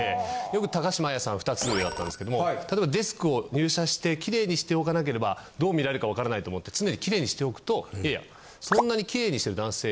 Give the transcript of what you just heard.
よく高島彩さん２つ上だったんですけども例えばデスクを入社してきれいにしておかなければどう見られるかわからないと思って常にきれいにしておくといやいや。